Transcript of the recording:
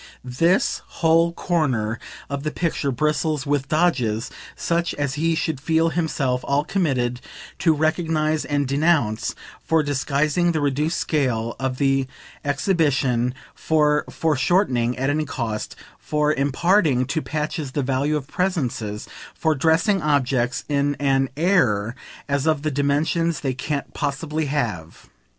This whole corner of the picture bristles with "dodges" such as he should feel himself all committed to recognise and denounce for disguising the reduced scale of the exhibition, for foreshortening at any cost, for imparting to patches the value of presences, for dressing objects in an AIR as of the dimensions they can't possibly have.